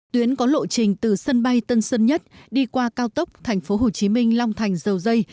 tuyến có lộ trình từ sân bay tân sơn nhất đi qua cao tốc tp hcm long thành dầu dây